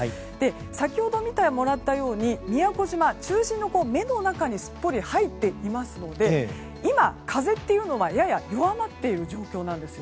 先ほど見てもらったように宮古島、中心の目の中にすっぽり入っていますので今、風っていうのはやや弱まっている状況です。